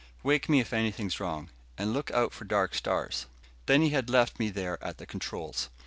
"Wake me if anything's wrong. And look out for dark stars." Then he had left me there at the controls.